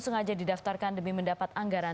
sengaja didaftarkan demi mendapat anggaran